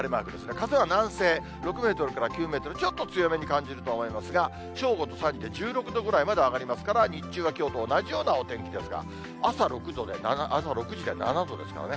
風は南西６メートルから９メートル、ちょっと強めに感じるとは思いますが、正午と３時で１６度ぐらいまで上がりますから、日中はきょうと同じようなお天気ですが、朝６時で７度ですからね。